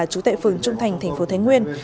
chú tại phường trung thành thành phố thái nguyên